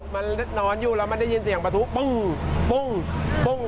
มันนอนอยู่แล้วมันได้ยินเสียงประตูปุ้ง